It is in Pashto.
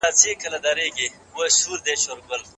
که زده کوونکي ته ارزښت ورنکړل سي نو خفه کیږي.